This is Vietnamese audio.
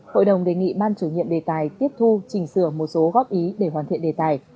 hội đồng đề nghị ban chủ nhiệm đề tài tiếp thu chỉnh sửa một số góp ý để hoàn thiện đề tài